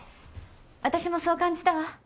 私もそう感じたわ。